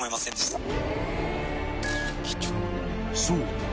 ［そう。